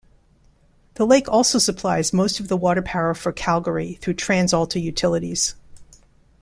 The lake also supplies most of the water power for Calgary through TransAlta Utilities.